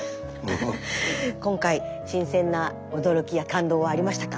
今回新鮮な驚きや感動はありましたか？